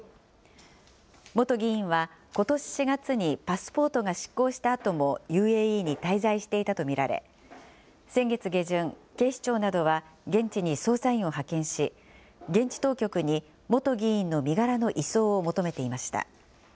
元議員はことし４月にパスポートが失効したあともＵＡＥに滞在していたと見られ、先月下旬、警視庁などは現地に捜査員を派遣し、現地当局に、元議員の身柄の移送を求めていました。